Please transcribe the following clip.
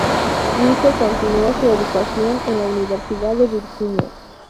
Bruce continuó su educación en la Universidad de Virginia.